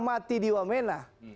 mati di wamena